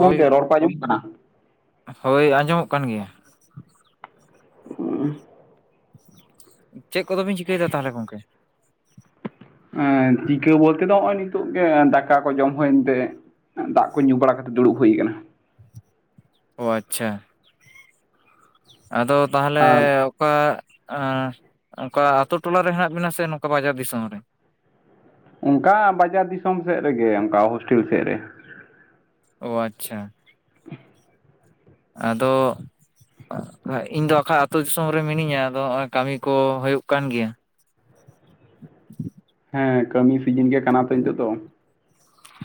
ᱜᱚᱝᱠᱮ ᱨᱚᱲ ᱠᱚ ᱟᱸᱡᱚᱢᱚᱜ ᱠᱟᱱᱟ ᱦᱳᱭ ᱟᱸᱡᱚᱢᱚᱜ ᱠᱟᱱ ᱜᱮᱭᱟ ᱪᱮᱫ ᱠᱚᱫᱚᱵᱤᱱ ᱪᱤᱠᱟᱹᱭ ᱫᱟ ᱛᱟᱦᱚᱞᱮ ᱜᱚᱝᱠᱮ ᱮᱸ ᱪᱤᱠᱟᱹ ᱵᱚᱞᱛᱮ ᱫᱚ ᱱᱚᱜᱼᱚᱭ ᱱᱤᱛᱚᱜ ᱜᱮ ᱫᱟᱠᱟ ᱠᱚ ᱡᱚᱢ ᱦᱩᱭᱮᱱᱛᱮ ᱫᱟᱜ ᱠᱚ ᱧᱩ ᱵᱟᱲᱟ ᱠᱟᱛᱮᱫ ᱫᱩᱲᱩᱵ ᱦᱩᱭ ᱟᱠᱟᱱᱟ ᱚ ᱟᱪᱪᱷᱟ ᱟᱫᱚ ᱛᱟᱦᱚᱞᱮ ᱟᱨ ᱚᱠᱟ ᱮ ᱚᱱᱠᱟ ᱟᱛᱳ ᱴᱚᱞᱟᱨᱮ ᱦᱮᱱᱟᱜ ᱵᱮᱱᱟ ᱥᱮ ᱱᱚᱝᱠᱟ ᱵᱟᱡᱟᱨ ᱫᱤᱥᱚᱢ ᱨᱮ ᱚᱱᱠᱟ ᱵᱟᱡᱟᱨ ᱫᱤᱥᱚᱢ ᱥᱮᱫ ᱨᱮᱜᱮ ᱚᱱᱠᱟ ᱦᱳᱥᱴᱮᱞ ᱥᱮᱫ ᱨᱮ ᱚ ᱟᱪᱪᱷᱟ ᱟᱫᱚ ᱤᱧ ᱫᱚ ᱠᱷᱟᱡ ᱟᱹᱛᱩ ᱫᱤᱥᱚᱢ ᱨᱮ ᱢᱤᱱᱟᱹᱧᱟ ᱟᱫᱚ ᱱᱚᱜᱼᱚᱭ ᱠᱟᱹᱢᱤ ᱠᱚ ᱦᱩᱭᱩᱜ ᱠᱟᱱ ᱜᱮᱭᱟ ᱦᱮᱸ ᱠᱟᱹᱢᱤ ᱥᱤᱡᱤᱱ ᱜᱮ ᱠᱟᱱᱟ ᱛᱚ ᱱᱤᱛᱳᱜ ᱫᱚ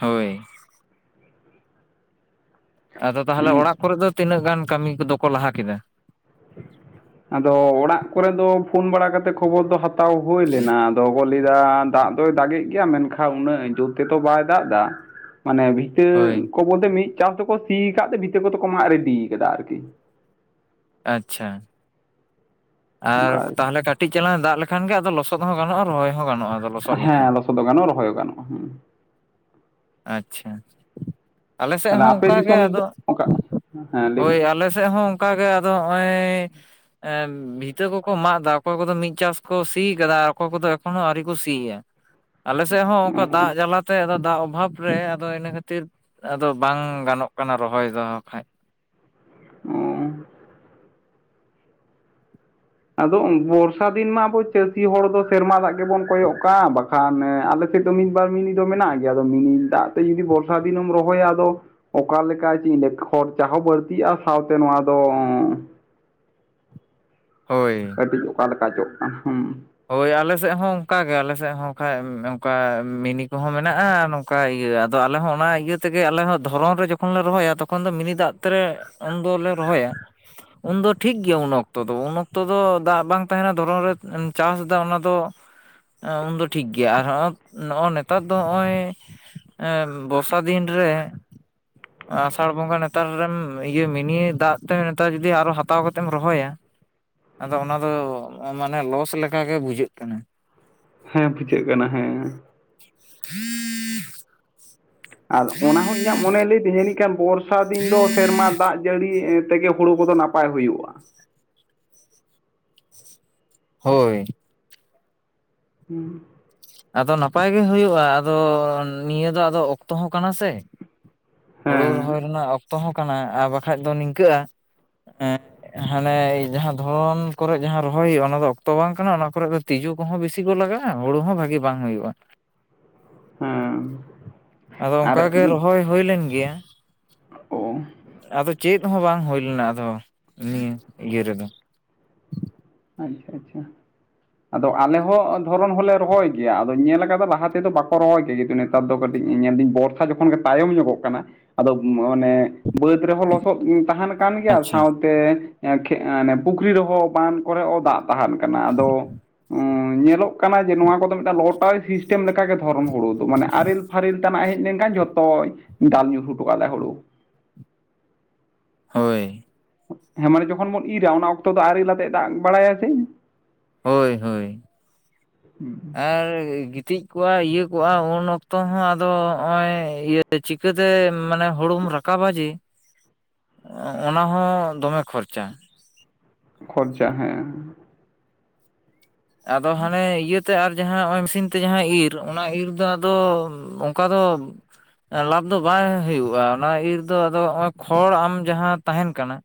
ᱦᱳᱭ ᱟᱫᱚ ᱛᱟᱦᱚᱞᱮ ᱩᱸ ᱚᱲᱟᱜ ᱠᱚᱨᱮ ᱫᱚ ᱛᱤᱱᱟᱹᱜ ᱜᱟᱱ ᱠᱟᱹᱢᱤ ᱠᱚᱫᱚ ᱠᱚ ᱞᱟᱦᱟ ᱠᱮᱫᱟ ᱟᱫᱚ ᱚᱲᱟᱜ ᱠᱚᱨᱮ ᱫᱚ ᱯᱷᱳᱱ ᱵᱟᱲᱟ ᱠᱟᱛᱮ ᱠᱷᱚᱵᱚᱨ ᱫᱚ ᱦᱟᱛᱟᱣ ᱦᱩᱭ ᱞᱮᱱᱟ ᱫᱚᱜᱚ ᱞᱟᱹᱭ ᱮᱫᱟ ᱫᱟᱜ ᱫᱚᱭ ᱫᱟᱜᱮᱜ ᱜᱮᱭᱟ ᱢᱮᱱᱠᱷᱟᱱ ᱩᱱᱟᱹᱜ ᱡᱩᱨ ᱛᱮᱫᱚ ᱵᱟᱭ ᱫᱟᱜ ᱫᱟ ᱢᱟᱱᱮ ᱵᱷᱤᱛᱟᱹ ᱦᱳᱭ ᱠᱚ ᱵᱚᱞᱛᱮ ᱢᱤᱫ ᱪᱟᱥ ᱫᱚᱠᱚ ᱥᱤ ᱟᱠᱟᱫ ᱛᱮ ᱵᱷᱤᱛᱟᱹ ᱠᱚᱫᱚ ᱠᱚ ᱢᱟᱜ ᱨᱮᱰᱤ ᱠᱟᱫᱟ ᱟᱨᱠᱤ ᱟᱪᱪᱷᱟ ᱟᱨ ᱚᱱᱠᱟ ᱟᱨᱠᱤ ᱛᱟᱦᱚᱞᱮ ᱠᱟᱹᱴᱤᱡ ᱪᱮᱞᱟᱝ ᱫᱟᱜ ᱞᱮᱠᱷᱟᱱ ᱜᱮ ᱟᱫᱚ ᱞᱚᱥᱚᱫ ᱦᱚᱸ ᱜᱟᱱᱚᱜᱼᱟ ᱨᱚᱦᱚᱭ ᱦᱚᱸ ᱜᱟᱱᱚᱜᱼᱟ ᱞᱚᱥᱚᱫ ᱞᱮᱠᱷᱟᱱ ᱦᱮᱸ ᱞᱚᱥᱚᱫ ᱦᱚ ᱜᱟᱱᱚᱜᱼᱟ ᱨᱚᱦᱚᱭ ᱜᱟᱱᱚᱜᱼᱟ ᱦᱮᱸ ᱟᱪᱪᱷᱟ ᱟᱞᱮ ᱥᱮᱫ ᱛᱟᱦᱚᱞᱮ ᱦᱚᱸ ᱟᱯᱮ ᱚᱱᱠᱟ ᱜᱮ ᱫᱤᱥᱚᱢ ᱫᱚ ᱟᱫᱚ ᱚᱠᱟ ᱦᱮᱸ ᱞᱟᱹᱭ ᱢᱮ ᱦᱳᱭ ᱟᱞᱮ ᱥᱮᱫ ᱦᱚᱸ ᱚᱱᱠᱟ ᱜᱮ ᱟᱫᱚ ᱱᱚᱜᱼᱚᱭ ᱮ ᱵᱷᱤ ᱤᱛᱟᱹ ᱠᱚᱠᱚ ᱢᱟᱜ ᱮᱫᱟ ᱚᱠᱚᱭ ᱠᱚᱫᱚ ᱢᱤᱫ ᱪᱟᱥ ᱠᱚ ᱥᱤ ᱠᱟᱫᱟ ᱟᱨ ᱚᱠᱚᱭ ᱠᱚᱫᱚ ᱮᱠᱷᱚᱱᱳ ᱟᱹᱣᱨᱤ ᱠᱚ ᱥᱤᱭᱟ ᱟᱞᱮᱥᱮᱫ ᱦᱚᱸ ᱚᱱᱠᱟ ᱫᱟᱜ ᱡᱟᱞᱟ ᱛᱮ ᱮᱫᱚ ᱫᱟᱜ ᱚᱵᱷᱟᱵᱽ ᱨᱮ ᱟᱫᱚ ᱤᱱᱟᱹ ᱠᱷᱟᱹᱛᱤᱨ ᱟᱫᱚ ᱵᱟᱝ ᱜᱟᱱᱚᱜ ᱠᱟᱱᱟ ᱨᱚᱦᱚᱭ ᱫᱚ ᱠᱷᱟᱡ ᱚ ᱟᱫᱚ ᱵᱚᱨᱥᱟ ᱫᱤᱱ ᱢᱟ ᱟᱵᱚ ᱪᱟᱹᱥᱤ ᱦᱚᱲ ᱫᱚ ᱥᱮᱨᱢᱟ ᱫᱟᱜ ᱜᱮᱵᱚᱱ ᱠᱚᱭᱚᱜ ᱠᱟᱜ ᱟ ᱠᱷᱟᱱ ᱟᱞᱮ ᱥᱮᱫ ᱫᱚ ᱢᱤᱫ ᱵᱟᱨ ᱢᱤᱱᱤ ᱫᱚ ᱢᱮᱱᱟᱜ ᱜᱮᱭᱟ ᱟᱫᱚ ᱢᱤᱱᱤ ᱫᱟᱜ ᱛᱮ ᱡᱩᱫᱤ ᱵᱚᱨᱥᱟ ᱫᱤᱱᱮᱢ ᱨᱚᱦᱚᱭᱟ ᱟᱫᱚ ᱚᱠᱟ ᱞᱮ ᱞᱮᱠᱟ ᱪᱮᱫ ᱤᱧ ᱞᱟᱹᱭᱟ ᱠᱷᱚᱨᱪᱟ ᱦᱚᱸ ᱵᱟᱹᱲᱛᱤᱜᱼᱟ ᱥᱟᱶᱛᱮ ᱱᱚᱣᱟ ᱫᱚ ᱦᱳᱭ ᱠᱟᱹᱴᱤᱡ ᱚᱠᱟ ᱞᱮᱠᱟ ᱪᱚ ᱦᱳᱭ ᱟᱞᱮ ᱥᱮᱫ ᱦᱚᱸ ᱚᱱᱠᱟ ᱜᱮ ᱟᱞᱮ ᱥᱮᱫ ᱦᱚᱸ ᱠᱷᱟᱡ ᱚᱱᱠᱟ ᱢᱤᱱᱤ ᱠᱚᱦᱚᱸ ᱢᱮᱱᱟᱜᱼᱟ ᱚᱱᱠᱟ ᱤᱭᱟᱹ ᱟᱫᱚ ᱟᱞᱮ ᱦᱚᱸ ᱚᱱᱟ ᱤᱭᱟᱹ ᱛᱮᱜᱮ ᱟᱞᱮ ᱦᱚᱸ ᱫᱷᱚᱨᱚᱢ ᱨᱮ ᱡᱚᱠᱷᱚᱱ ᱞᱮ ᱨᱚᱦᱚᱭᱟ ᱛᱚᱠᱷᱚᱱ ᱫᱚ ᱢᱤᱱᱤ ᱫᱟᱜ ᱛᱮᱞᱮ ᱩᱱ ᱫᱚᱞᱮ ᱨᱚᱦᱚᱭᱟ ᱩᱱᱫᱚ ᱴᱷᱤᱠ ᱜᱮᱭᱟ ᱩᱱ ᱚᱠᱛᱚ ᱫᱚ ᱩᱱ ᱚᱠᱛᱚ ᱫᱚ ᱫᱟᱜ ᱵᱟᱝ ᱛᱟᱦᱮᱱᱟ ᱫᱷᱚᱨᱚᱱ ᱨᱮ ᱪᱟᱥ ᱫᱟ ᱚᱱᱟ ᱫᱚ ᱩᱱᱫᱚ ᱴᱷᱤᱠ ᱜᱮᱭᱟ ᱟᱨ ᱱᱚᱜᱚᱭ ᱱᱮᱛᱟᱨ ᱫᱚ ᱱᱚᱜᱼᱚᱭ ᱮᱸ ᱵᱚᱨᱥᱟ ᱫᱤᱱ ᱨᱮ [inaudible] ᱟᱥᱟᱲ ᱵᱚᱸᱜᱟ ᱱᱮᱛᱟᱨ ᱨᱮᱢ ᱤᱭᱟᱹ ᱢᱤᱱᱤ ᱫᱟᱜ ᱛᱮ ᱱᱮᱛᱟᱨ ᱡᱩᱫᱤ ᱟᱨᱚ ᱦᱟᱛᱟᱣ ᱠᱟᱛᱮᱢ ᱨᱚᱦᱚᱭᱟ ᱟᱫᱚ ᱚᱱᱟᱫᱚ ᱢᱟᱱᱮ ᱞᱚᱥ ᱞᱮᱠᱟᱜᱮ ᱵᱩᱡᱷᱟᱹᱜ ᱠᱟᱱᱟ ᱦᱮ ᱯᱩᱡᱟᱹᱜ ᱠᱟᱱᱟ ᱦᱮ [inaudible] ᱟᱨ ᱚᱱᱟ ᱦᱚᱸ ᱤᱧᱟᱹᱜ ᱢᱚᱱᱮ ᱞᱟᱹᱭ ᱛᱤᱧᱟ ᱡᱟᱱᱤ ᱠᱷᱟᱱ ᱵᱚᱨᱥᱟ ᱫᱤᱱ ᱫᱚ ᱥᱮᱨᱢᱟ ᱫᱟᱜ ᱡᱟᱹᱲᱤ ᱛᱮᱜᱮ ᱦᱩᱲᱩ ᱠᱚᱫᱚ ᱱᱟᱯᱟᱭ ᱦᱩᱭᱩᱜᱼᱟ ᱦᱳᱭ [unintelligible] ᱟᱫᱚ ᱱᱟᱯᱟᱭ ᱜᱮ ᱦᱩᱭᱩᱜᱼᱟ ᱟᱫᱚ ᱱᱤᱭᱟᱹ ᱫᱚ ᱟᱫᱚ ᱚᱠᱛᱚ ᱦᱚᱸ ᱠᱟᱱᱟ ᱥᱮ ᱦᱩᱲᱩ ᱨᱚᱦᱚᱭ ᱦᱮᱸ ᱨᱮᱱᱟᱜ ᱚᱠᱛᱚ ᱦᱚᱸ ᱠᱟᱱᱟ ᱟᱨ ᱵᱟᱠᱷᱟᱡ ᱫᱚ ᱱᱤᱝᱠᱟᱹᱜᱼᱟ ᱦᱟᱱᱮ ᱡᱟᱦᱟᱸ ᱫᱷᱚᱨᱚᱱ ᱠᱚᱨᱮ ᱡᱟᱦᱟᱸ ᱨᱚᱦᱚᱭ ᱦᱩᱭᱩᱜᱼᱟ ᱚᱱᱟ ᱫᱚ ᱚᱠᱛᱚ ᱵᱟᱝ ᱠᱟᱱᱟ ᱚᱱᱟ ᱠᱚᱨᱮ ᱫᱚ ᱛᱤᱡᱩ ᱠᱚᱦᱚᱸ ᱵᱮᱥᱤ ᱠᱚ ᱞᱟᱜᱟᱜᱼᱟ ᱦᱩᱲᱩ ᱦᱚᱸ ᱵᱷᱟᱜᱤ ᱵᱟᱝ ᱦᱩᱭᱩᱜᱼᱟ ᱦᱮᱸ ᱟᱫᱚ ᱚᱱᱠᱟ ᱟᱨ ᱜᱮ ᱨᱚᱦᱚᱭ ᱦᱩᱭ ᱞᱮᱱ ᱜᱮᱭᱟ [unintelligible] ᱟᱫᱚ ᱪᱮᱫ ᱦᱚᱸ ᱵᱟᱝ ᱦᱩᱭ ᱞᱮᱱᱟ ᱟᱫᱚ ᱱᱤᱭᱟᱹ ᱤᱭᱟ ᱨᱮᱫᱚ ᱟᱪᱪᱷᱟ ᱟᱪᱪᱷᱟ ᱟᱫᱚ ᱟᱞᱮ ᱦᱚᱸ ᱫᱷᱚᱨᱚᱱ ᱦᱚᱞᱮ ᱨᱚᱦᱚᱭ ᱜᱮᱭᱟ ᱟᱫᱚ ᱧᱮᱞ ᱠᱟᱫᱟ ᱞᱟᱦᱟ ᱛᱮᱫᱚ ᱵᱟᱠᱚ ᱨᱚᱦᱚᱭ ᱜᱮᱭᱟ ᱱᱮᱛᱟᱨ ᱫᱚ ᱠᱟᱹᱴᱤᱡ ᱧᱮᱞ ᱫᱟᱹᱧ ᱵᱚᱨᱥᱟ ᱡᱚᱠᱷᱚᱱ ᱜᱮ ᱛᱟᱭᱚᱢ ᱧᱚᱜᱚᱜ ᱠᱟᱱᱟ ᱟᱫᱚ ᱢᱟᱱᱮ ᱵᱟᱹᱫᱽ ᱨᱮᱦᱚᱸ ᱞᱚᱥᱚᱫ ᱛᱟᱦᱮᱱ ᱠᱟᱱ ᱜᱮᱭᱟ ᱟᱪᱪᱷᱟ ᱥᱟᱶᱛᱮ ᱮ ᱯᱩᱠᱷᱨᱤ ᱨᱮᱦᱚᱸ ᱵᱟᱸᱫ ᱠᱚᱨᱮ ᱦᱚᱸ ᱫᱟᱜ ᱛᱟᱦᱮᱱ ᱠᱟᱱᱟ ᱟᱫᱚ ᱧᱮᱞᱚᱜ ᱠᱟᱱᱟ ᱡᱮ ᱱᱚᱣᱟ ᱠᱚᱫᱚ ᱢᱤᱫᱴᱟᱝ ᱞᱚᱴᱟ ᱥᱤᱥᱴᱮᱢ ᱞᱮᱠᱟᱜᱮ ᱫᱷᱚᱨᱚᱢ ᱦᱩᱲᱩ ᱫᱚ ᱢᱟᱱᱮ ᱟᱨᱮᱞ ᱯᱷᱟᱨᱤᱞ ᱛᱮᱱᱟᱜ ᱦᱮᱡ ᱞᱮᱱᱠᱷᱟᱱ ᱡᱷᱚᱛᱚ ᱰᱟᱞ ᱧᱩᱨᱦᱩ ᱴᱚᱠᱟ ᱟᱞᱮ ᱦᱩᱲᱩ ᱦᱳᱭ ᱦᱮᱸ ᱢᱟᱱᱮ ᱡᱚᱠᱷᱚᱱ ᱵᱚᱱ ᱤᱨᱟ ᱚᱱᱟ ᱚᱠᱛᱚ ᱫᱚ ᱟᱨᱮᱞ ᱟᱛᱮ ᱫᱟᱜ ᱵᱟᱲᱟᱭ ᱥᱮ ᱦᱳᱭ ᱦᱳᱭ [unintelligible] ᱟᱨ ᱜᱤᱛᱤᱡ ᱠᱚᱜᱼᱟ ᱤᱭᱟᱹ ᱠᱚᱜᱼᱟ ᱩᱱ ᱚᱠᱛᱚ ᱦᱚᱸ ᱟᱫᱚ ᱱᱚᱜᱼᱚᱭ ᱤᱭᱟᱹ ᱪᱤᱠᱟᱹᱛᱮ ᱢᱟᱱᱮ ᱦᱩᱲᱩᱢ ᱨᱟᱠᱟᱵᱟ ᱡᱮ [inaudible] ᱚᱱᱟ ᱦᱚᱸ ᱫᱚᱢᱮ ᱠᱷᱚᱨᱪᱟ ᱠᱷᱚᱨᱪᱟ ᱦᱮᱸ ᱟᱫᱚ ᱦᱟᱱᱮ ᱤᱭᱟᱹ ᱛᱮ ᱟᱨ ᱡᱟᱦᱟᱸ ᱱᱚᱜᱚᱭ ᱢᱮᱥᱤᱱ ᱛᱮ ᱡᱟᱦᱟᱸ ᱤᱨ ᱚᱱᱟ ᱤᱨ ᱫᱚ ᱟᱫᱚ ᱚᱱᱠᱟ ᱫᱚ ᱞᱟᱵᱷ ᱫᱚ ᱵᱟᱭ ᱦᱩᱭᱩᱜᱼᱟ ᱚᱱᱟ ᱤᱨ ᱫᱚ ᱟᱫᱚ ᱱᱚᱜᱼᱚᱭ ᱠᱷᱚᱲ ᱟᱢ ᱡᱟᱦᱟᱸ ᱛᱟᱦᱮᱱ ᱠᱟᱱᱟ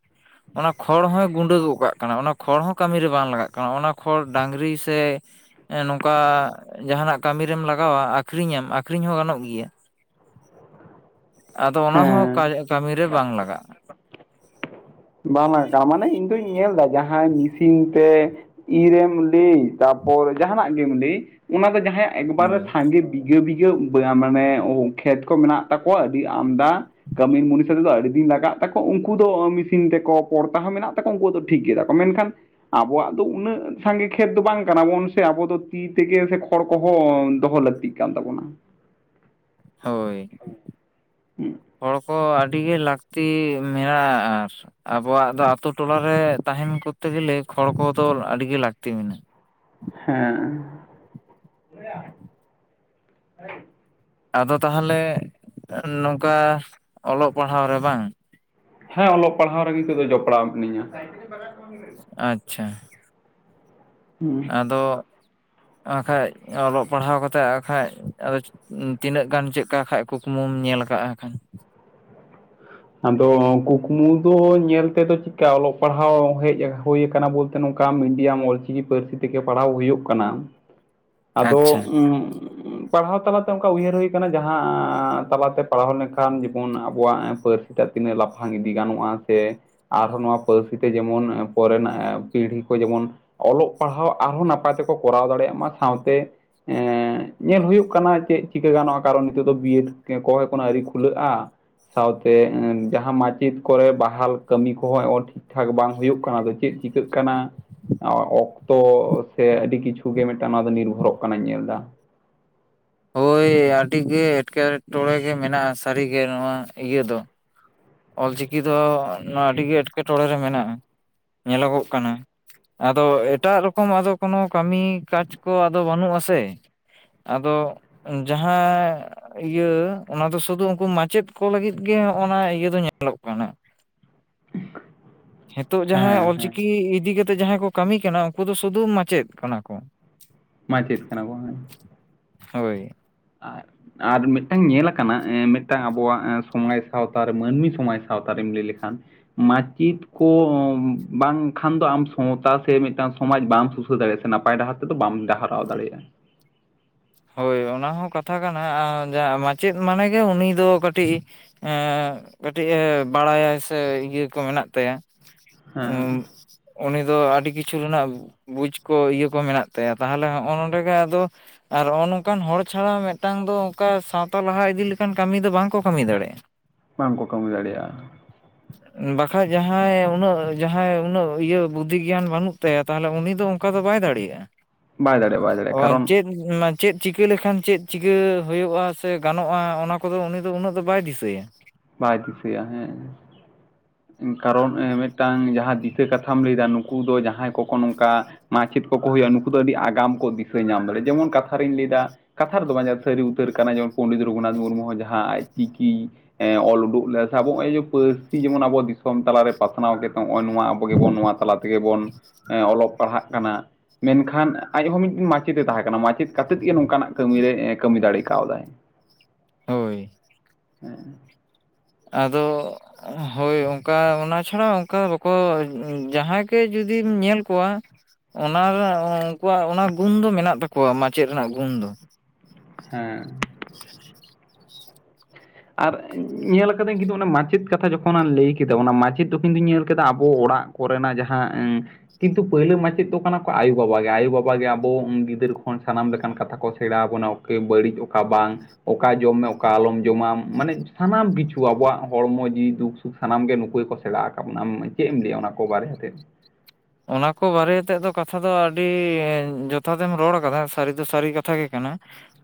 ᱚᱱᱟ ᱠᱷᱚᱲ ᱦᱚᱸᱭ ᱜᱩᱸᱰᱟᱹ ᱜᱚᱜ ᱠᱟᱜ ᱠᱟᱱᱟ ᱚᱱᱟ ᱠᱷᱚᱲ ᱦᱚᱸ ᱠᱟᱹᱢᱤ ᱨᱮ ᱵᱟᱝ ᱞᱟᱜᱟᱜ ᱠᱟᱱᱟ ᱚᱱᱟ ᱠᱷᱚᱲ ᱰᱟᱝᱨᱤ ᱥᱮ ᱱᱚᱝᱠᱟ ᱡᱟᱦᱟᱱᱟᱜ ᱠᱟᱹᱢᱤ ᱨᱮᱢ ᱞᱟᱜᱟᱣᱟ ᱟᱠᱷᱨᱤᱧᱟᱢ ᱟᱠᱷᱨᱤᱧ ᱦᱚᱸ ᱜᱟᱱᱚᱜ ᱜᱮᱭᱟ [inaudible] ᱟᱫᱚ ᱚᱱᱟ ᱦᱚᱸ ᱦᱮᱸ ᱠᱟᱹᱢᱤᱨᱮ ᱵᱟᱝ ᱞᱟᱜᱟᱜᱼᱟ ᱵᱟᱝ ᱞᱟᱜᱟᱠᱟᱱᱟ ᱢᱟᱱᱮ ᱤᱧ ᱫᱩᱧ ᱧᱮᱞ ᱮᱫᱟ ᱡᱟᱦᱟᱸᱭ ᱢᱮᱥᱤᱱ ᱛᱮ ᱤᱨᱮᱢ ᱞᱟᱹᱭ ᱛᱟᱯᱚᱨ ᱡᱟᱦᱟᱱᱟᱜ ᱜᱮᱢ ᱞᱟᱹᱭ ᱚᱱᱟ ᱫᱚ ᱡᱟᱦᱟᱸᱭᱟᱜ ᱮᱠᱵᱟᱨ ᱨᱮ ᱦᱳᱭ ᱥᱟᱸᱜᱮ ᱵᱤᱜᱷᱟᱹ ᱵᱤᱜᱷᱟᱹ ᱢᱟᱱᱮ ᱠᱷᱮᱛ ᱠᱚ ᱢᱮᱱᱟᱜ ᱛᱟᱠᱚᱣᱟ ᱟᱹᱰᱤ ᱟᱢᱫᱟ ᱠᱟᱹᱢᱤ ᱢᱩᱱᱤᱥ ᱨᱮᱫᱚ ᱟᱹᱰᱤᱫᱤᱱ ᱞᱟᱜᱟᱜ ᱛᱟᱠᱚ ᱩᱱᱠᱩ ᱫᱚ ᱢᱤᱥᱤᱱ ᱛᱮᱠᱚ ᱯᱚᱲᱛᱟ ᱦᱚᱸ ᱢᱮᱱᱟᱜ ᱛᱟᱠᱚᱣᱟ ᱩᱱᱠᱩ ᱫᱚ ᱴᱷᱤᱠ ᱜᱮ ᱛᱟ ᱠᱚ ᱢᱮᱱᱠᱷᱟᱱ ᱟᱵᱚᱣᱟᱜ ᱫᱚ ᱩᱱᱟᱹᱜ ᱥᱟᱸᱜᱮ ᱠᱷᱮᱛ ᱫᱚ ᱵᱟᱝ ᱠᱟᱱᱟᱵᱚᱱ ᱥᱮ ᱟᱵᱚ ᱫᱚ ᱛᱤ ᱛᱮᱜᱮ ᱥᱮ ᱠᱷᱚᱲ ᱠᱚᱦᱚᱸ ᱫᱚᱦᱚ ᱞᱟᱹᱠᱛᱤᱜ ᱠᱟᱱ ᱛᱟᱵᱚᱱᱟ ᱦᱳᱭ ᱦᱚᱲ ᱠᱚ ᱟᱹᱰᱤ ᱜᱮ ᱞᱟᱹᱠᱛᱤ ᱢᱮᱱᱟᱜ-ᱟ ᱟᱨ ᱟᱵᱚᱣᱟᱜ ᱫᱚ ᱟᱛᱩ ᱴᱚᱞᱟᱨᱮ ᱛᱟᱦᱮᱱ ᱠᱚᱨᱛᱮ ᱜᱮᱞᱮ ᱠᱷᱚᱲ ᱠᱚᱫᱚ ᱟᱹᱰᱤ ᱜᱮ ᱞᱟᱹᱠᱛᱤ ᱢᱮᱱᱟᱜ-ᱟ ᱦᱮᱸ ᱟᱫᱚ ᱛᱟᱦᱚᱞᱮ ᱱᱚᱝᱠᱟ ᱚᱞᱚᱜ ᱯᱟᱲᱦᱟᱣ ᱨᱮ ᱵᱟᱝ ᱦᱮᱸ ᱚᱞᱚᱜ ᱯᱟᱲᱦᱟᱣ ᱨᱮᱜᱮ ᱛᱮᱫᱚ ᱡᱚᱯᱲᱟᱣ ᱢᱤᱱᱟᱹᱧᱟ ᱵᱟᱨᱭᱟ ᱠᱷᱚᱱ ᱜᱮ ᱟᱪᱪᱷᱟ ᱦᱩᱸ ᱟᱫᱚ ᱠᱷᱟᱡ ᱚᱞᱚᱜ ᱯᱟᱲᱦᱟᱣ ᱠᱟᱛᱮᱫ ᱠᱷᱟᱡ ᱟᱫᱚ ᱛᱤᱱᱟᱹᱜ ᱜᱟᱱ ᱪᱮᱫ ᱠᱷᱟᱡ ᱠᱩᱠᱢᱩᱢ ᱧᱮᱞ ᱟᱠᱟᱜ-ᱟ ᱠᱷᱟᱱ ᱟᱫᱚ ᱠᱩᱠᱢᱩ ᱫᱚ ᱧᱮᱞ ᱛᱮᱫᱚ ᱪᱮᱫᱠᱟ ᱚᱞᱚᱜ ᱯᱟᱲᱦᱟᱣ ᱦᱮᱡ ᱦᱩᱭ ᱟᱠᱟᱱᱟ ᱵᱚᱞᱛᱮ ᱱᱚᱝᱠᱟ ᱢᱤᱰᱤᱭᱟᱢ ᱚᱞᱪᱤᱠᱤ ᱯᱟᱹᱨᱥᱤ ᱛᱮᱜᱮ ᱯᱟᱲᱦᱟᱣ ᱦᱩᱭᱩᱜ ᱠᱟᱱᱟ ᱟᱪᱪᱷᱟ ᱟᱫᱚ ᱯᱟᱲᱦᱟᱣ ᱛᱟᱞᱟᱛᱮ ᱚᱱᱠᱟ ᱩᱭᱦᱟᱹᱨ ᱦᱩᱭ ᱟᱠᱟᱱᱟ ᱡᱟᱦᱟᱸ ᱛᱟᱞᱟᱛᱮ ᱯᱟᱲᱦᱟᱣ ᱞᱮᱱᱠᱷᱟᱱ ᱡᱮᱢᱚᱱ ᱟᱵᱚᱣᱟᱜ ᱯᱟᱹᱨᱥᱤ ᱮᱴᱟᱜ ᱛᱤᱱᱟᱹᱜ ᱞᱟᱯᱷᱟᱝ ᱤᱫᱤ ᱜᱟᱱᱚᱜ-ᱟ ᱥᱮ ᱟᱨᱦᱚᱸ ᱱᱚᱣᱟ ᱯᱟᱹᱨᱥᱤ ᱛᱮ ᱡᱮᱢᱚᱱ ᱯᱚᱨᱮᱱ ᱯᱤᱲᱦᱤ ᱠᱚ ᱡᱮᱢᱚᱱ ᱚᱞᱚᱜ ᱯᱟᱲᱦᱟᱣ ᱟᱨᱦᱚᱸ ᱱᱟᱯᱟᱭ ᱛᱮᱠᱚ ᱠᱚᱨᱟᱣ ᱫᱟᱲᱮᱭᱟᱜ ᱢᱟ ᱥᱟᱶᱛᱮ ᱧᱮᱞ ᱦᱩᱭᱩᱜ ᱠᱟᱱᱟ ᱪᱮᱫ ᱪᱤᱠᱟᱹ ᱜᱟᱱᱚᱜ-ᱟ ᱠᱟᱨᱚᱱ ᱱᱤᱛᱚᱜ ᱫᱚ ᱵᱤᱭᱮᱰ ᱠᱚ ᱟᱹᱣᱨᱤ ᱠᱷᱩᱞᱟᱹᱜ-ᱟ ᱥᱟᱶᱛᱮ ᱡᱟᱦᱟᱸ ᱢᱟᱪᱮᱫ ᱠᱚᱨᱮ ᱵᱟᱦᱟᱞ ᱠᱟᱹᱢᱤ ᱠᱚᱦᱚᱸ ᱚ ᱴᱷᱤᱠ ᱴᱷᱤᱠ ᱴᱷᱟᱠ ᱵᱟᱝ ᱦᱩᱭᱩᱜ ᱠᱟᱱᱟ ᱟ ᱪᱮᱫ ᱪᱤᱠᱟᱹᱜ ᱠᱟᱱᱟ ᱚᱠᱛᱚ ᱥᱮ ᱟᱹᱰᱤ ᱠᱤᱪᱷᱩ ᱜᱮ ᱢᱤᱫᱴᱟᱝ ᱱᱚᱣᱟ ᱫᱚ ᱱᱤᱨᱵᱷᱚᱨᱚᱜ ᱠᱟᱱᱟᱧ ᱧᱮᱞ ᱮᱫᱟ ᱦᱳᱭ ᱟᱹᱰᱤᱜᱮ ᱮᱴᱠᱮᱴᱚᱬᱮ ᱜᱮ ᱢᱮᱱᱟᱜ-ᱟ ᱥᱟᱹᱨᱤᱜᱮ ᱱᱚᱣᱟ ᱤᱭᱟᱹ ᱫᱚ ᱚᱞᱪᱤᱠᱤ ᱫᱚ ᱱᱚᱣᱟ ᱟᱹᱰᱤᱜᱮ ᱮᱸᱴᱠᱮᱴᱚᱬᱮ ᱨᱮ ᱢᱮᱱᱟᱜ-ᱟ ᱧᱮᱞᱚᱜᱚᱜ ᱠᱟᱱᱟ ᱟᱫᱚ ᱮᱴᱟᱜ ᱨᱚᱠᱚᱢ ᱟᱫᱚ ᱠᱳᱱᱳ ᱠᱟᱹᱢᱤ ᱠᱟᱡᱽ ᱠᱚ ᱟᱫᱚ ᱵᱟᱹᱱᱩᱜ-ᱟ ᱥᱮ ᱟᱫᱚ ᱡᱟᱦᱟᱸ ᱤᱭᱟᱹ ᱚᱱᱟ ᱫᱚ ᱥᱩᱫᱷᱩ ᱩᱱᱠᱩ ᱢᱟᱪᱮᱫ ᱠᱚ ᱞᱟᱹᱜᱤᱫ ᱜᱮ ᱦᱚᱸᱜ ᱤᱭᱟᱹ ᱧᱮᱞᱚᱜ ᱠᱟᱱᱟ ᱱᱤᱛᱚᱜ ᱡᱟᱦᱟᱸᱭ ᱦᱮᱸ ᱦᱮᱸ ᱚᱞᱪᱤᱠᱤ ᱤᱫᱤ ᱠᱟᱛᱮ ᱡᱟᱦᱟᱸᱭ ᱠᱚ ᱠᱟᱹᱢᱤ ᱠᱟᱱᱟ ᱩᱱᱠᱩ ᱫᱚ ᱥᱩᱫᱩ ᱢᱟᱪᱮᱫ ᱠᱟᱱᱟ ᱠᱚ ᱢᱟᱪᱮᱫ ᱠᱟᱱᱟ ᱠᱚ ᱦᱮ ᱦᱳᱭ ᱟᱨ ᱟᱨ ᱢᱤᱫᱴᱟᱝ ᱧᱮᱞᱟ ᱟᱠᱟᱱᱟ ᱢᱤᱫᱴᱟᱝ ᱟᱵᱚᱣᱟᱜ ᱥᱚᱢᱟᱡᱽ ᱥᱟᱶᱛᱟ ᱨᱮ ᱢᱟᱹᱱᱢᱤ ᱥᱚᱢᱟᱡᱽ ᱥᱟᱶᱛᱟ ᱨᱮᱢ ᱞᱟᱹᱭ ᱞᱮᱠᱷᱟᱱ ᱢᱟᱪᱮᱫ ᱠᱚ ᱵᱟᱝᱠᱷᱟᱱ ᱫᱚ ᱟᱢ ᱥᱟᱶᱛᱟ ᱥᱮ ᱢᱤᱫᱴᱟᱝ ᱥᱚᱢᱟᱡᱽ ᱵᱟ ᱥᱩᱥᱷᱟᱹᱨ ᱫᱟᱲᱮᱭᱟᱜ-ᱟ ᱥᱮ ᱱᱟᱯᱟᱭ ᱰᱟᱦᱟᱨ ᱛᱮᱫᱚ ᱵᱟᱢ ᱰᱟᱦᱟᱨᱟᱣ ᱫᱟᱲᱮᱭᱟᱜ-ᱟ ᱦᱳᱭ ᱚᱱᱟ ᱦᱚᱸ ᱠᱟᱛᱷᱟ ᱠᱟᱱᱟ ᱡᱟᱦᱟᱸ ᱢᱟᱪᱮᱫ ᱢᱟᱱᱮ ᱜᱮ ᱩᱱᱤ ᱫᱚ ᱠᱟᱹᱴᱤᱡ ᱮ ᱠᱟᱹᱴᱤᱡ ᱮ ᱵᱟᱲᱟᱭᱟ ᱥᱮ ᱤᱭᱟᱹ ᱠᱚ ᱢᱮᱱᱟᱜ ᱛᱟᱭᱟ ᱦᱮᱸ ᱩᱱᱤ ᱫᱚ ᱟᱹᱰᱤ ᱠᱤᱪᱷᱩ ᱨᱮᱱᱟᱜ ᱵᱩᱡᱽ ᱠᱚ ᱤᱭᱟᱹ ᱠᱚ ᱢᱮᱱᱟᱜ ᱛᱟᱭᱟ ᱛᱟᱦᱚᱞᱮ ᱦᱚᱸᱜ-ᱚᱭ ᱱᱚᱸᱰᱮ ᱜᱮ ᱟᱫᱚ ᱟᱨ ᱱᱚᱜᱚ ᱱᱚᱝᱠᱟᱱ ᱦᱚᱲ ᱪᱷᱟᱲᱟ ᱢᱤᱫᱴᱟᱝ ᱫᱚ ᱚᱱᱠᱟ ᱥᱟᱶᱛᱟ ᱞᱟᱦᱟ ᱤᱫᱤ ᱞᱮᱠᱟᱱ ᱠᱟᱹᱢᱤ ᱫᱚ ᱵᱟᱝ ᱠᱚ ᱠᱟᱹᱢᱤ ᱫᱟᱲᱮᱭᱟᱜ-ᱟ ᱵᱟᱝᱠᱚ ᱠᱟᱹᱢᱤ ᱫᱟᱲᱮᱭᱟᱜ-ᱟ ᱵᱟᱠᱷᱟᱡ ᱡᱟᱦᱟᱸᱭ ᱩᱱᱟᱹᱜ ᱡᱟᱦᱟᱸᱭ ᱩᱱᱟᱹᱜ ᱤᱭᱟᱹ ᱵᱩᱫᱽᱫᱷᱤ ᱜᱮᱭᱟᱱ ᱵᱟᱹᱱᱩᱜ ᱛᱟᱭᱟ ᱛᱟᱦᱚᱞᱮ ᱩᱱᱤ ᱫᱚ ᱚᱱᱠᱟ ᱫᱚ ᱵᱟᱭ ᱫᱟᱲᱮᱭᱟᱜ-ᱟ ᱵᱟᱭ ᱫᱟᱲᱮᱭᱟᱜ-ᱟ ᱵᱟᱭ ᱫᱟᱲᱮᱭᱟᱜ-ᱟ ᱠᱟᱨᱚᱱ ᱪᱮᱫ ᱪᱤᱠᱟᱹ ᱞᱮᱠᱷᱟᱱ ᱪᱮᱫ ᱪᱤᱠᱟᱹ ᱦᱩᱭᱩᱜᱼᱟ ᱥᱮ ᱜᱟᱱᱚᱜᱼᱟ ᱚᱱᱟ ᱠᱚᱫᱚ ᱩᱱᱤ ᱫᱚ ᱩᱱᱟᱹᱜ ᱫᱚ ᱵᱟᱭ ᱫᱤᱥᱟᱹᱭᱟ ᱵᱟᱭ ᱫᱤᱥᱟᱹᱭᱟ ᱦᱮᱸ ᱠᱟᱨᱚᱱ ᱢᱤᱫᱴᱟᱝ ᱡᱟᱦᱟᱸ ᱫᱤᱥᱤᱟᱹ ᱠᱟᱛᱷᱟᱢ ᱞᱟᱹᱭᱟ ᱱᱩᱠᱩ ᱫᱚ ᱡᱟᱦᱟᱸᱭ ᱠᱚ ᱠᱚ ᱱᱚᱝᱠᱟ ᱢᱟᱪᱮᱫ ᱠᱚ ᱠᱚ ᱦᱩᱭᱩᱜᱼᱟ ᱱᱩᱠᱩ ᱫᱚ ᱟᱹᱰᱤ ᱟᱜᱟᱢ ᱠᱚ ᱫᱤᱥᱟᱹ ᱧᱟᱢ ᱫᱟᱲᱮᱭᱟᱜᱼᱟ ᱡᱮᱢᱚᱱ ᱠᱟᱛᱷᱟ ᱨᱤᱧ ᱞᱟᱹᱭᱫᱟ ᱠᱟᱛᱷᱟ ᱨᱮᱫᱚ ᱵᱟᱝ ᱡᱟᱦᱟ ᱥᱟᱹᱨᱤ ᱩᱛᱟᱹᱨ ᱠᱟᱱᱟ ᱡᱮᱢᱚᱱ ᱯᱚᱱᱰᱤᱛ ᱨᱚᱜᱷᱩᱱᱟᱛᱷ ᱢᱩᱨᱢᱩ ᱦᱚᱸ ᱡᱟᱦᱟᱸ ᱟᱡ ᱪᱤᱠᱤ ᱚᱞ ᱩᱰᱩᱠ ᱞᱮᱫ ᱥᱮ ᱟᱵᱚ ᱱᱚᱜᱼᱚᱭ ᱡᱮ ᱯᱟᱹᱨᱥᱤ ᱡᱮᱢᱚᱱ ᱟᱵᱚ ᱫᱤᱥᱚᱢ ᱛᱟᱞᱟ ᱨᱮ ᱯᱟᱥᱱᱟᱣ ᱠᱮᱫ ᱱᱚᱜᱼᱚᱭ ᱱᱚᱣᱟ ᱟᱵᱚ ᱜᱮᱵᱚᱱ ᱱᱚᱣᱟ ᱛᱟᱞᱟ ᱛᱮᱜᱮ ᱵᱚᱱ ᱚᱞᱚᱜ ᱯᱟᱲᱦᱟᱜ ᱠᱟᱱᱟ ᱢᱮᱱᱠᱷᱟᱱ ᱟᱡ ᱦᱚᱸ ᱢᱤᱫᱴᱮᱱ ᱢᱟᱪᱮᱫ ᱮ ᱛᱟᱦᱮᱸ ᱠᱟᱱᱟ ᱢᱟᱪᱮᱫ ᱠᱟᱛᱮᱫ ᱜᱮ ᱱᱚᱝᱠᱟᱱᱟᱜ ᱠᱟᱹᱢᱤ ᱨᱮ ᱠᱟᱹᱢᱤ ᱫᱟᱲᱮ ᱠᱟᱣᱫᱟᱭ ᱦᱳᱭ [unintelligible] ᱟᱫᱚ ᱦᱳᱭ ᱚᱱᱠᱟ ᱚᱱᱟ ᱪᱷᱟᱲᱟ ᱚᱱᱠᱟ ᱵᱟᱠᱚ ᱡᱟᱦᱟᱸᱭ ᱜᱮ ᱡᱩᱫᱤᱢ ᱧᱮᱞ ᱠᱚᱣᱟ ᱚᱱᱟ ᱩᱱᱠᱩᱣᱟᱜ ᱚᱱᱟ ᱜᱩᱱ ᱫᱚ ᱢᱮᱱᱟᱜ ᱛᱟᱠᱚᱣᱟ ᱢᱟᱪᱮᱫ ᱨᱮᱱᱟᱜ ᱜᱩᱱ ᱫᱚ ᱦᱮᱸ ᱟᱨ ᱧᱮᱞ ᱟᱠᱟᱫᱟᱹᱧ ᱠᱤᱱᱛᱩ ᱚᱱᱟ ᱢᱟᱪᱮᱫ ᱠᱟᱛᱷᱟ ᱡᱚᱠᱷᱚᱱᱢ ᱞᱟᱹᱭ ᱠᱮᱫᱟ ᱚᱱᱟ ᱢᱟᱪᱮᱫ ᱫᱚ ᱠᱤᱱᱛᱩᱧ ᱧᱮᱞ ᱠᱮᱫᱟ ᱟᱵᱚ ᱚᱲᱟᱜ ᱠᱚᱨᱮᱱᱟᱜ ᱡᱟᱦᱟᱸ ᱠᱤᱱᱛᱩ ᱯᱟᱹᱦᱞᱟᱹ ᱢᱟᱪᱮᱫ ᱫᱚ ᱠᱟᱱᱟ ᱠᱚ ᱟᱭᱳᱼᱵᱟᱵᱟ ᱜᱮ ᱟᱭᱳᱼᱵᱟᱵᱟ ᱜᱮ ᱟᱵᱚ ᱜᱤᱫᱟᱹᱨ ᱠᱷᱚᱱ ᱥᱟᱱᱟᱢ ᱞᱮᱠᱟᱱ ᱠᱟᱛᱷᱟ ᱠᱚ ᱥᱮᱬᱟᱣ ᱟᱵᱚᱱᱟ ᱵᱟᱹᱲᱤᱡ ᱚᱠᱟ ᱵᱟᱝ ᱚᱠᱟ ᱡᱚᱢ ᱢᱮ ᱚᱠᱟ ᱟᱞᱚᱢ ᱡᱚᱢᱟᱢ ᱢᱟᱱᱮ ᱥᱟᱱᱟᱢ ᱠᱤᱪᱷᱩ ᱟᱵᱚᱣᱟᱜ ᱦᱚᱲᱢᱚ ᱡᱤᱣᱤ ᱫᱩᱠ ᱥᱩᱠ ᱥᱟᱱᱟᱢ ᱜᱮ ᱱᱩᱠᱩ ᱜᱮ ᱠᱚ ᱥᱮᱬᱟ ᱟᱠᱟᱫ ᱵᱚᱱᱟ ᱪᱮᱫ ᱮᱢ ᱞᱟᱹᱭᱟ ᱚᱱᱟ ᱠᱚ ᱵᱟᱨᱮ ᱛᱮ ᱚᱱᱟ ᱠᱚ ᱵᱟᱨᱮ ᱛᱮᱫ ᱫᱚ ᱠᱟᱛᱷᱟ ᱫᱚ ᱟᱹᱰᱤ ᱡᱚᱛᱷᱟᱛ ᱮᱢ ᱨᱚᱲ ᱠᱟᱫᱟ ᱥᱟᱹᱨᱤ ᱫᱚ ᱥᱟᱹᱨᱤ ᱠᱟᱛᱷᱟ ᱜᱮ ᱠᱟᱱᱟ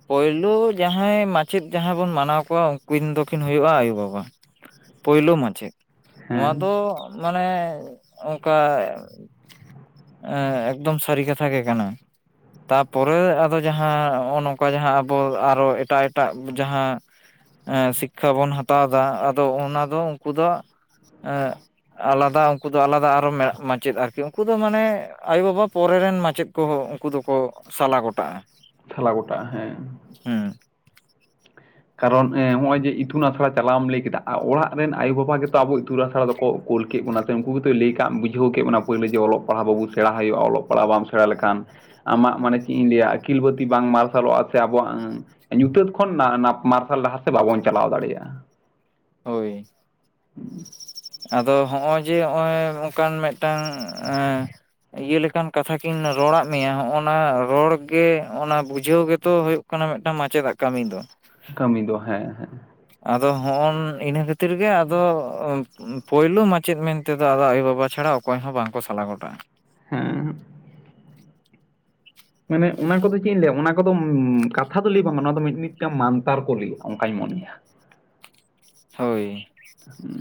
ᱯᱳᱭᱞᱳ ᱡᱟᱦᱟᱸᱭ ᱢᱟᱪᱮᱫ ᱡᱟᱦᱟᱸᱭ ᱵᱚᱱ ᱢᱟᱱᱟᱣ ᱠᱚᱣᱟ ᱩᱱᱠᱤᱱ ᱫᱚᱠᱤᱱ ᱦᱩᱭᱩᱜᱼᱟ ᱟᱭᱳ ᱵᱟᱵᱟ ᱯᱳᱭᱞᱳ ᱢᱟᱪᱮᱫ ᱱᱚᱣᱟ ᱦᱮᱸ ᱫᱚ ᱢᱟᱱᱮ ᱚᱱᱠᱟ ᱮᱸᱻ ᱮᱠᱫᱚᱢ ᱥᱟᱹᱨᱤ ᱠᱟᱛᱷᱟ ᱜᱮ ᱠᱟᱱᱟ ᱛᱟᱯᱚᱨᱮ ᱟᱫᱚ ᱡᱟᱦᱟᱸ ᱱᱚᱜᱼᱚᱭ ᱱᱚᱝᱠᱟ ᱡᱟᱦᱟᱸ ᱟᱵᱚ ᱟᱨᱦᱚ ᱮᱴᱟᱜ ᱮᱴᱟᱜ ᱡᱟᱦᱟᱸ ᱮᱸ ᱥᱤᱠᱷᱟ ᱵᱚᱱ ᱦᱟᱛᱟᱣ ᱫᱟ ᱟᱫᱚ ᱚᱱᱟ ᱫᱚ ᱩᱱᱠᱩ ᱫᱚ ᱮᱸ ᱟᱞᱟᱫᱟ ᱩᱱᱠᱩ ᱫᱚ ᱟᱞᱟᱫᱟ ᱟᱨᱦᱚ ᱢᱟᱪᱮᱫ ᱟᱠ ᱩᱱᱠᱩ ᱫᱚ ᱢᱟᱱᱮ ᱟᱭᱳ ᱵᱟᱵᱟ ᱯᱚᱨᱮ ᱨᱮᱱ ᱢᱟᱪᱮᱫ ᱠᱚᱦᱚᱸ ᱩᱱᱠᱩ ᱫᱚᱠᱚ ᱥᱟᱞᱟ ᱜᱚᱴᱟᱜᱼᱟ ᱪᱷᱟᱞᱟ ᱜᱚᱴᱟᱜᱼᱟ ᱦᱮᱸ ᱦᱩᱸ ᱠᱟᱨᱚᱱ ᱮᱸ ᱱᱚᱜᱼᱚᱭ ᱡᱮ ᱤᱛᱩᱱ ᱟᱥᱲᱟ ᱪᱟᱞᱟᱣ ᱮᱢ ᱞᱟᱹᱭ ᱠᱮᱫᱟ ᱚᱲᱟᱜ ᱨᱮᱱ ᱟᱭᱳᱼᱵᱟᱵᱟ ᱜᱮᱛᱚ ᱟᱵᱚ ᱤᱛᱩᱱ ᱟᱥᱲᱟ ᱫᱚᱠᱚ ᱠᱳᱞ ᱠᱮᱫ ᱵᱚᱱᱟ ᱛᱮ ᱩᱱᱠᱩ ᱜᱮᱛᱚᱭ ᱞᱟᱹᱭ ᱠᱟᱜ ᱵᱩᱡᱷᱟᱹᱣ ᱠᱮᱫ ᱵᱚᱱᱟ ᱯᱳᱭᱞᱳ ᱚᱞᱚᱜ ᱯᱟᱲᱦᱟᱣ ᱵᱟᱵᱩ ᱥᱮᱬᱟ ᱦᱩᱭᱩᱜᱼᱟ ᱚᱞᱚᱜ ᱯᱟᱲᱦᱟᱜ ᱵᱟᱢ ᱥᱮᱬᱟ ᱞᱮᱠᱷᱟᱱ ᱟᱢᱟᱜ ᱢᱟᱱᱮ ᱪᱮᱫ ᱤᱧ ᱞᱟᱹᱭᱟ ᱟᱹᱠᱤᱞ ᱵᱟᱹᱛᱤ ᱵᱟᱝ ᱢᱟᱨᱥᱟᱞᱚᱜᱼᱟ ᱥᱮ ᱟᱵᱚᱣᱟᱜ ᱧᱩᱛᱟᱹᱛ ᱠᱷᱚᱱ ᱱᱟ ᱱᱟᱯ ᱢᱟᱨᱥᱟᱞ ᱰᱟᱦᱟᱨ ᱛᱮ ᱵᱟᱵᱚᱱ ᱪᱟᱞᱟᱣ ᱫᱟᱲᱮᱭᱟᱜᱼᱟ ᱦᱳᱭ ᱟᱫᱚ ᱦᱚᱸᱜᱼᱚᱭ ᱡᱮ ᱦᱚᱸᱜᱼᱚᱭ ᱱᱚᱝᱠᱟᱱ ᱢᱤᱫᱴᱟᱝ ᱤᱭᱟᱹ ᱞᱮᱠᱟᱱ ᱠᱟᱛᱷᱟ ᱠᱤᱱ ᱨᱚᱲᱟᱫ ᱢᱮᱭᱟ ᱦᱚᱜᱼᱱᱟ ᱨᱚᱲ ᱜᱮ ᱚᱱᱟ ᱵᱩᱡᱷᱟᱹᱣ ᱜᱮᱛᱚ ᱦᱩᱭᱩᱜ ᱠᱟ ᱠᱟᱱᱟ ᱢᱤᱫᱴᱟᱝ ᱢᱟᱪᱮᱫᱟᱜ ᱠᱟᱹᱢᱤ ᱫᱚ ᱠᱟᱹᱢᱤ ᱫᱚ ᱦᱮᱸ ᱦᱮᱸ ᱟᱫᱚ ᱦᱚᱸᱜᱼᱚᱱ ᱤᱱᱟᱹ ᱠᱷᱟᱹᱛᱤᱨ ᱜᱮ ᱟᱫᱚ ᱯᱳᱭᱞᱳ ᱢᱟᱪᱮᱫ ᱢᱮᱱᱛᱮ ᱫᱚ ᱟᱫᱚ ᱟᱭᱳ ᱵᱟᱵᱟ ᱪᱷᱟᱲᱟ ᱚᱠᱚᱭᱦᱚ ᱵᱟᱝ ᱠᱚ ᱥᱟᱞᱟ ᱜᱚᱴᱟᱜᱼᱟ ᱦᱮᱸ ᱢᱟᱱᱮ ᱚᱱᱟ ᱠᱚᱫᱚ ᱪᱮᱫ ᱤᱧ ᱞᱟᱹᱭᱟ ᱚᱱᱟ ᱠᱚᱫᱚ ᱠᱟᱛᱷᱟ ᱫᱚ ᱞᱟᱹᱭ ᱵᱟᱝ ᱚᱱᱟ ᱫᱚ ᱢᱤᱫ ᱢᱤᱫᱴᱟᱝ ᱢᱟᱱᱛᱟᱨ ᱠᱚ ᱞᱟᱹᱭᱟ ᱚᱱᱠᱟᱧ ᱢᱚᱱᱮᱭᱟ ᱦᱳᱭ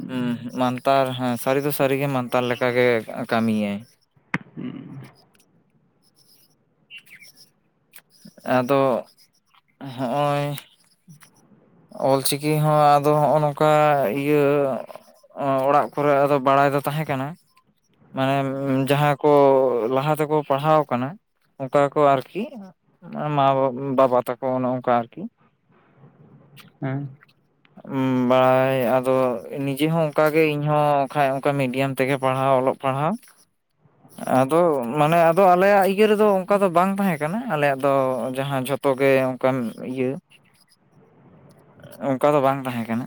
ᱦᱩᱸ ᱢᱟᱱᱛᱟᱨ ᱦᱮᱸ ᱥᱟᱹᱨᱤ ᱫᱚ ᱥᱟᱹᱨᱤ ᱜᱮ ᱢᱟᱱᱛᱟᱨ ᱞᱮᱠᱟ ᱜᱮ ᱠᱟᱹᱢᱤᱭᱟᱭ ᱦᱩᱸ ᱟᱫᱚ ᱦᱚᱸᱜᱼᱚᱭ ᱚᱞᱪᱤᱠᱤ ᱦᱚᱸ ᱟᱫᱚ ᱦᱚᱸᱜᱼᱚ ᱱᱚᱝᱠᱟ ᱤᱭᱟᱹ ᱚᱸ ᱚᱲᱟᱜ ᱠᱚᱨᱮ ᱟᱫᱚ ᱵᱟᱲᱟᱭ ᱫᱚ ᱛᱟᱦᱮᱸ ᱠᱟᱱᱟ ᱢᱟᱱᱮ ᱡᱟᱦᱟᱸ ᱠᱚ ᱞᱟᱦᱟ ᱛᱮᱠᱚ ᱯᱟᱲᱦᱟᱣ ᱠᱟᱱᱟ ᱚᱱᱠᱟ ᱠᱚ ᱟᱨᱠᱤ ᱢᱟ ᱵᱟᱵᱟ ᱛᱟᱠᱚ ᱚᱱᱮ ᱚᱱᱠᱟ ᱟᱨᱠᱤ ᱦᱮᱸ ᱵᱟᱲᱟᱭ ᱟᱫᱚ ᱱᱤᱡᱮ ᱦᱚᱸ ᱚᱱᱠᱟᱜᱮ ᱤᱧᱦᱚ ᱠᱷᱟᱡ ᱚᱱᱠᱟ ᱢᱤᱰᱤᱭᱟᱢ ᱛᱮᱜᱮ ᱯᱟᱲᱦᱟᱣ ᱚᱞᱚᱜ ᱯᱟᱲᱦᱟᱣ [unintelligible] ᱟᱫᱚ ᱢᱟᱱᱮ ᱟᱫᱚ ᱟᱞᱮᱭᱟᱜ ᱤᱠ ᱤᱭᱟᱹ ᱨᱮᱫᱚ ᱚᱱᱠᱟ ᱫᱚ ᱵᱟᱝ ᱛᱟᱦᱮᱸ ᱠᱟᱱᱟ ᱟᱞᱮᱭᱟᱜ ᱫᱚ ᱡᱟᱦᱟᱸ ᱡᱷᱚᱛᱚ ᱜᱮ ᱚᱱᱠᱟᱱ ᱤᱭᱟᱹ ᱚᱱᱠᱟ ᱫᱚ ᱵᱟᱝ ᱛᱟᱦᱮᱸ ᱠᱟᱱᱟ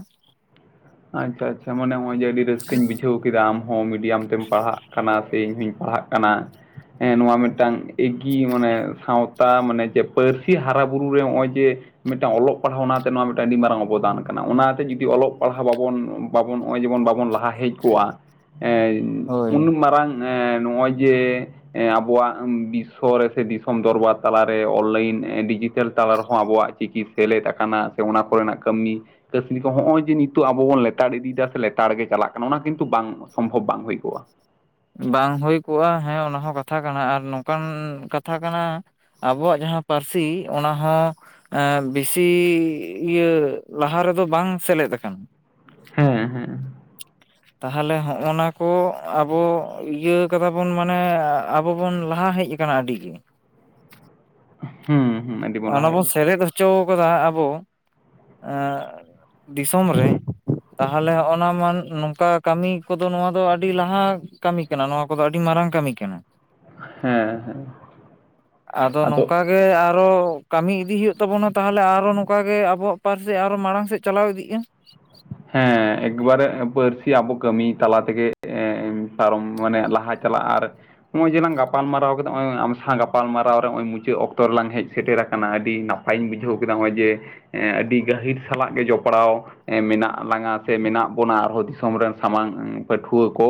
ᱟᱪᱪᱷᱟ ᱟᱪᱷᱟ ᱢᱟᱱᱮ ᱱᱚᱜ ᱚᱭ ᱡᱮ ᱟᱹᱰᱤ ᱨᱟᱹᱥᱠᱟᱹᱧ ᱵᱩᱡ ᱵᱩᱡᱷᱟᱹᱣ ᱠᱮᱫᱟᱢ ᱦᱚᱸ ᱢᱤᱰᱤᱭᱟᱢ ᱛᱮᱢ ᱯᱟᱲᱦᱟᱜ ᱠᱟᱱᱟ ᱥᱮ ᱤᱧ ᱦᱚᱧ ᱯᱟᱲᱦᱟᱜ ᱠᱟᱱᱟ ᱦᱮ ᱱᱚᱣᱟ ᱢᱤᱫᱴᱟᱝ ᱮᱜᱤ ᱢᱟᱱᱮ ᱥᱟᱶᱛᱟ ᱢᱟᱱᱮ ᱡᱮ ᱯᱟᱹᱨᱥᱤ ᱦᱟᱨᱟᱼᱵᱩᱨᱩ ᱨᱮ ᱱᱚᱜᱼᱚᱭ ᱡᱮ ᱢᱤᱫᱴᱟᱝ ᱚᱞᱚᱜ ᱯᱟᱲᱦᱟᱣ ᱚᱱᱟᱛᱮ ᱱᱚᱣᱟ ᱢᱤᱫᱴᱟᱝ ᱟᱹᱰᱤ ᱢᱟᱨᱟᱝ ᱚᱵᱚᱫᱟᱱ ᱠᱟᱱᱟ ᱚᱱᱟᱛᱮ ᱡᱩᱫᱤ ᱚᱞᱚᱜ ᱯᱟᱲᱦᱟᱣ ᱵᱟᱵᱚᱱ ᱵᱟᱵᱚᱱ ᱱᱚᱜᱼᱚᱭ ᱡᱮᱢᱚᱱ ᱵᱟᱵᱚᱱ ᱞᱟᱦᱟ ᱦᱮᱡ ᱠᱚᱜᱼᱟ ᱩᱱ ᱦᱳᱭ ᱢᱟᱨᱟᱝ ᱦᱮᱸ ᱱᱚᱜᱼᱚᱭ ᱡᱮ, ᱟᱵᱚᱣᱟᱜ ᱵᱤᱥᱥᱚ ᱨᱮᱥ ᱫᱤᱥᱚᱢ ᱫᱚᱨᱵᱟᱨ ᱛᱟᱞᱟᱨᱮ ᱚᱱᱞᱟᱭᱤᱱ ᱰᱤᱡᱤᱴᱮᱞ ᱛᱟᱞᱟ ᱨᱮᱦᱚᱸ ᱟᱵᱚᱣᱟᱜ ᱪᱤᱠᱤ ᱥᱮᱞᱮᱫ ᱟᱠᱟᱱᱟ ᱥᱮ ᱚᱱᱟ ᱠᱚᱨᱮᱱᱟᱜ ᱠᱟᱹᱢᱤ ᱠᱟᱹᱥᱱᱤ ᱠᱚ ᱦᱚᱜᱼᱚᱭ ᱡᱮ ᱱᱤᱛᱩᱜ ᱟᱵᱚ ᱵᱚᱱ ᱞᱮᱛᱟᱲ ᱤᱫᱤᱭᱮᱫᱟ ᱥᱮ ᱞᱮᱛᱟᱲ ᱜᱮ ᱪᱟᱞᱟᱜ ᱠᱟᱱᱟ ᱚᱱᱟ ᱠᱤᱱᱛᱩ ᱵᱟᱝ ᱥᱚᱢᱵᱷᱚᱵ ᱵᱟᱝ ᱦᱩᱭ ᱠᱚᱜᱼᱟ᱾ ᱵᱟᱝ ᱦᱩᱭ ᱠᱚᱜᱼᱟ ᱦᱮᱸ ᱚᱱᱟ ᱦᱚᱸ ᱠᱟᱛᱷᱟ ᱠᱟᱱᱟ ᱟᱨ ᱱᱚᱝᱠᱟᱱ ᱠᱟᱛᱷᱟ ᱠᱟᱱᱟ᱾ ᱟᱵᱚᱣᱟᱜ ᱡᱟᱦᱟᱸ ᱯᱟᱹᱨᱥᱤ ᱚᱱᱟ ᱦᱚᱸ ᱮ ᱵᱮᱥᱤ ᱤᱭᱟᱹ ᱞᱟᱦᱟ ᱨᱮᱫᱚ ᱵᱟᱝ ᱥᱮᱞᱮᱫ ᱟᱠᱟᱱᱟ᱾ ᱦᱮᱸ ᱦᱮᱸ᱾ ᱛᱟᱦᱚᱞᱮ ᱦᱚᱜ-ᱱᱟ ᱠᱚ ᱟᱵᱚ ᱤᱭᱟᱹ ᱟᱫᱟ ᱵᱚᱱ ᱢᱟᱱᱮ ᱟᱵᱚ ᱵᱚᱱ ᱞᱟᱦᱟ ᱦᱮᱡ ᱟᱠᱟᱱᱟ᱾ ᱠᱟᱱᱟ ᱟᱹᱰᱤ ᱜᱮ᱾ ᱦᱩᱸ ᱦᱩᱸ ᱟᱹᱰᱤ ᱚᱱᱟ ᱞᱟᱦᱟ ᱵᱚᱱ ᱦᱮᱡ ᱥᱮᱞᱮᱫ ᱦᱚᱪᱚ ᱠᱟᱫᱟ ᱟᱵᱚ ᱮᱸᱜ, ᱫᱤᱥᱚᱢ ᱨᱮ ᱛᱟᱦᱚᱞᱮ ᱦᱚᱜᱱᱟ ᱱᱚᱝᱠᱟ ᱠᱟᱹᱢᱤ ᱠᱚᱫᱚ ᱱᱚᱣᱟ ᱫᱚ ᱟᱹᱰᱤ ᱞᱟᱦᱟ᱾ ᱠᱟᱹᱢᱤ ᱠᱟᱱᱟ ᱱᱚᱣᱟ ᱠᱚᱫᱚ ᱟᱹᱰᱤ ᱢᱟᱨᱟᱝ ᱠᱟᱹᱢᱤ ᱠᱟᱱᱟ᱾ ᱦᱮᱸ ᱦᱮᱸ ᱟᱫᱚ ᱱᱚᱝᱠᱟ ᱜᱮ ᱟᱨᱚ᱾ ᱠᱟᱹᱢᱤ ᱤᱫᱤ ᱦᱩᱭᱩᱜ ᱛᱟᱵᱚᱱᱟ ᱛᱟᱦᱚᱞᱮ ᱟᱨᱚ ᱱᱚᱝᱠᱟ ᱜᱮ ᱟᱵᱚᱣᱟᱜ ᱯᱟᱹᱨᱥᱤ ᱟᱨᱚ ᱢᱟᱲᱟᱝ ᱥᱮᱫ ᱪᱟᱞᱟᱣ ᱤᱫᱤᱜ-ᱟ᱾ ᱦᱮᱸ᱾ ᱮᱠᱵᱟᱨᱮ ᱯᱟᱹᱨᱥᱤ ᱟᱵᱚ ᱠᱟᱹᱢᱤ ᱛᱟᱞᱟ ᱛᱮᱜᱮ ᱯᱟᱨᱚᱢ ᱢᱟᱱᱮ ᱞᱟᱦᱟ ᱪᱟᱞᱟᱜ ᱟᱨ, ᱱᱚᱜᱼᱚᱭ ᱡᱮᱞᱟᱝ ᱜᱟᱯᱟᱞᱢᱟᱨᱟᱣ ᱠᱮᱫᱟ ᱱᱚᱜᱼᱚᱭ ᱟᱢ ᱥᱟᱶ ᱜᱟᱯᱟᱞ ᱢᱟᱨᱟᱣ ᱨᱮ ᱱᱚᱜᱼᱚᱭ ᱢᱩᱪᱟᱹᱫ ᱚᱠᱛᱚ ᱨᱮᱞᱟᱝ ᱦᱮᱡ ᱥᱮᱴᱮᱨ ᱟᱠᱟᱱᱟ ᱟᱹᱰᱤ ᱱᱟᱯᱟᱭ, ᱱᱟᱯᱟᱭ ᱤᱧ ᱵᱩᱡᱷᱟᱹᱣ ᱠᱮᱫᱟ ᱱᱚᱜᱼᱚᱭ ᱡᱮ ᱟᱹᱰᱤ ᱜᱟᱹᱦᱤᱨ ᱥᱟᱞᱟᱜ ᱜᱮ ᱡᱚᱯᱲᱟᱣ ᱢᱮᱱᱟᱜᱼᱟ᱾ ᱞᱟᱝᱟ ᱥᱮ ᱢᱮᱱᱟᱜ ᱵᱚᱱᱟ ᱟᱨᱦᱚᱸ ᱫᱤᱥᱚᱢ ᱨᱮᱱ ᱥᱟᱢᱟᱝ ᱯᱟᱹᱴᱷᱩᱣᱟᱹ ᱠᱚ᱾